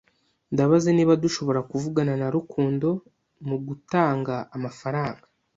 Ndabaza niba dushobora kuvugana na Rukundo mugutanga amafaranga.